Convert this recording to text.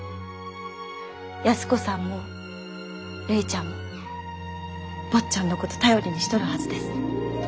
安子さんもるいちゃんも坊ちゃんのこと頼りにしとるはずです。